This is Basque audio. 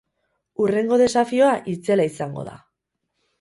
Hurrengo desafioa itzela izango da!